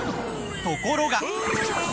ところが。